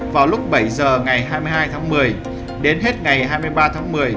vào lúc bảy giờ ngày hai mươi hai tháng một mươi đến hết ngày hai mươi ba tháng một mươi